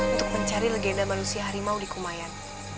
untuk mencari legenda manusia harimau di kumayan